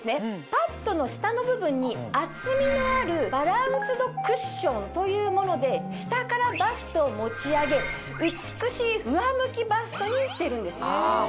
パッドの下の部分に厚みのあるバランスドクッションというもので下からバストを持ち上げ美しい上向きバストにしてるんです。